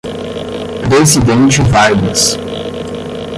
Presidente Vargas